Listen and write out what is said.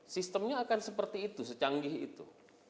sistemnya akan seperti itu secanggih itu